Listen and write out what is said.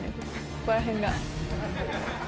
ここら辺が。